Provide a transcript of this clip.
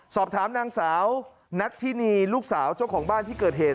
สอบถามนางสาวนัทธินีลูกสาวเจ้าของบ้านที่เกิดเหตุ